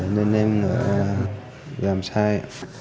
nên em làm sai